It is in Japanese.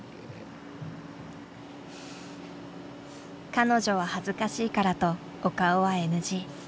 彼女は恥ずかしいからとお顔はＮＧ。